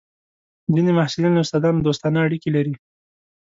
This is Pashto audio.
ځینې محصلین له استادانو دوستانه اړیکې لري.